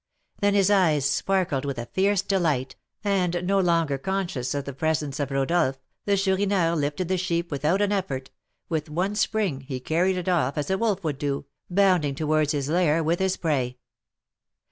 Then his eyes sparkled with a fierce delight, and, no longer conscious of the presence of Rodolph, the Chourineur lifted the sheep without an effort; with one spring he carried it off as a wolf would do, bounding towards his lair with his prey.